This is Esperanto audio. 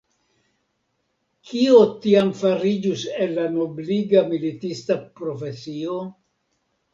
Kio tiam fariĝus el la nobliga militista profesio?